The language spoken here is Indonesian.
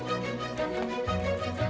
apa gue yang sendiri